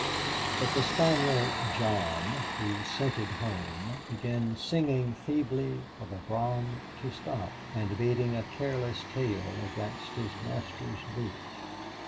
But the spaniel John, who scented home, began singing feebly for the brougham to stop, and beating a careless tail against his master's boot.